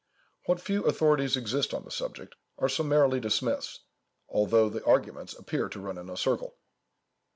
What few authorities exist on the subject, are summarily dismissed, although the arguments appear to run in a circle.